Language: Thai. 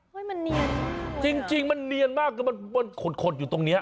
โหยมันเนียนมากเลยอ่ะจริงมันเนียนมากมันโคตรอยู่ตรงเนี้ย